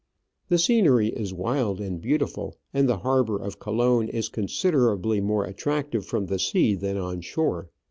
The scenery is wild and beautiful, and the harbour of Colon is considerably more attractive from the sea than on shore.